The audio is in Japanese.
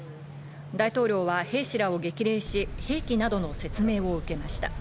大統領は兵士らを激励し、兵器などの説明を受けました。